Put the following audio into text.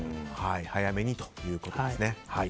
早めにということです。